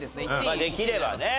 まあできればね。